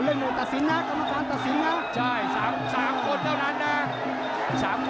เอาละครับอย่างนี้เกมสนุกนะครับ